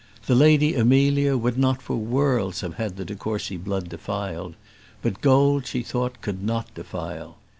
The Lady Amelia would not for worlds have had the de Courcy blood defiled; but gold she thought could not defile.